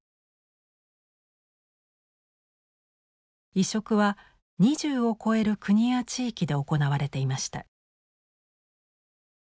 移植は２０を超える国や地域で行われていました。